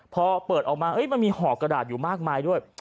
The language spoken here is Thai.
พอเปิดออกมามันมีห่อกระดาษอยู่มากมายด้วย